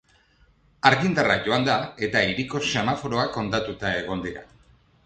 Argindarra joan da eta hiriko semaforoak hondatuta egon dira.